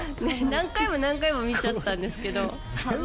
何回も何回も見ちゃったんですけど。